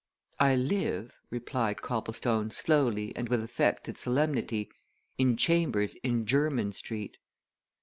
"I live," replied Copplestone slowly and with affected solemnity, "in chambers in Jermyn Street."